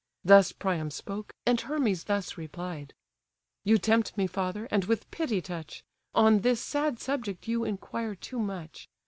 Thus Priam spoke, and Hermes thus replied: "You tempt me, father, and with pity touch: On this sad subject you inquire too much.